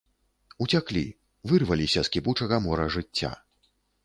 Уцяклі, вырваліся з кіпучага мора жыцця.